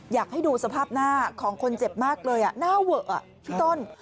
อยากให้ดูสภาพหน้าของคนเจ็บมากเลยหน้าเวอะพี่ต้น